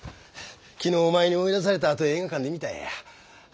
昨日お前に追い出されたあと映画館で見たんや。